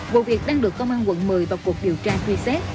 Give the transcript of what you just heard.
vụ việc đang được công an quận một mươi vào cuộc điều tra truy xét